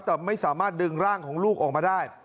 แต่ไม่สามารถดึงร่างของลูกออกมาได้